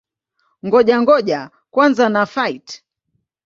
Ngoja-ngoja kwanza na-fight!